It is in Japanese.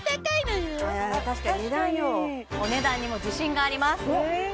確かにお値段にも自信がありますおっ！